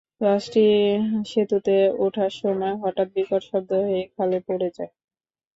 বাসটি সেতুতে ওঠার সময় হঠাৎ বিকট শব্দ হয়ে খালে পড়ে যায়।